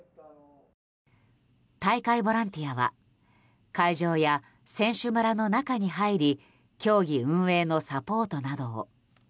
大会ボランティアは会場や選手村の中に入り競技運営のサポートなどを。